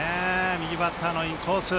右バッターのインコース。